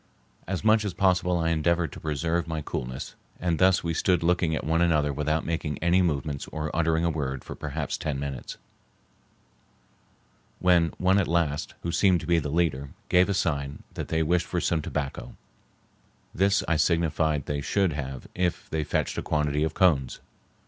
As much as possible I endeavored to preserve my coolness, and thus we stood looking at one another without making any movement or uttering a word for perhaps ten minutes, when one at last, who seemed to be the leader, gave a sign that they wished for some tobacco; this I signified they should have if they fetched a quantity of cones.